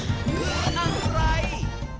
คือนั่นไร